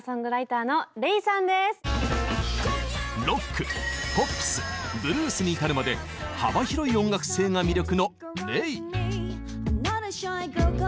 ロックポップスブルースに至るまで幅広い音楽性が魅力のＲｅｉ。